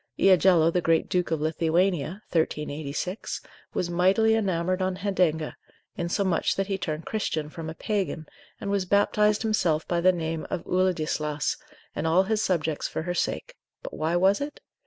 Iagello the great Duke of Lithuania, 1386, was mightily enamoured on Hedenga, insomuch that he turned Christian from a Pagan, and was baptised himself by the name of Uladislaus, and all his subjects for her sake: but why was it?